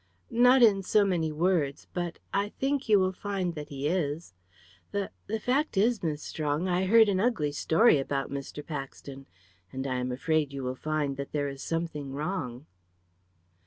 "Not in so many words, but I think you will find that he is. The the fact is, Miss Strong, I heard an ugly story about Mr. Paxton, and I am afraid you will find that there is something wrong."